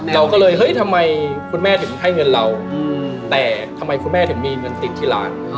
เราก็เลยเฮ้ยทำไมคุณแม่ถึงให้เงินเราแต่ทำไมคุณแม่ถึงมีเงินติดที่ร้าน